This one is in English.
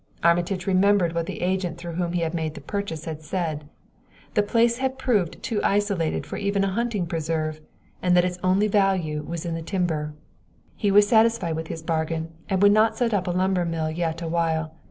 Armitage remembered what the agent through whom he had made the purchase had said that the place had proved too isolated for even a hunting preserve, and that its only value was in the timber. He was satisfied with his bargain, and would not set up a lumber mill yet a while.